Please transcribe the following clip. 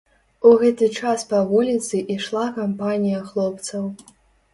У гэты час па вуліцы ішла кампанія хлопцаў.